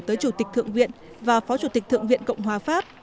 tới chủ tịch thượng viện và phó chủ tịch thượng viện cộng hòa pháp